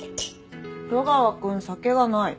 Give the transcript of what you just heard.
戸川君酒がない。